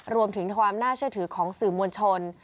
รวมถึงความน่าเชื่อถือของสื่อมวลชน